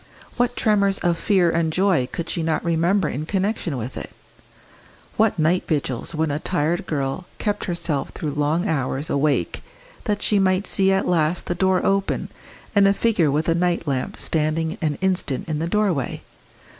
What tremors of fear and joy could she not remember in connection with it? what night vigils when a tired girl kept herself through long hours awake that she might see at last the door open and a figure with a night lamp standing an instant in the doorway?